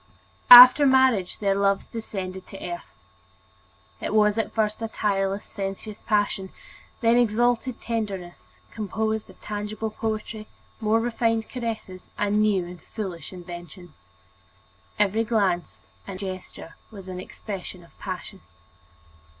After marriage their love descended to earth. It was at first a tireless, sensuous passion, then exalted tenderness composed of tangible poetry, more refined caresses, and new and foolish inventions. Every glance and gesture was an expression of passion.